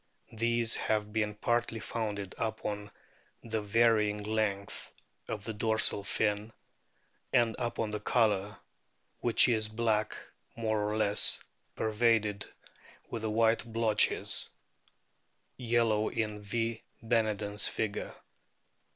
These have been partly founded upon the varying length of the dorsal fin and upon the colour, which is black, more or less pervaded with white blotches (yellow in v. Beneden's figure).